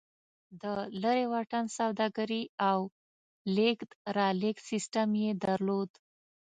د لېرې واټن سوداګري او لېږد رالېږد سیستم یې درلود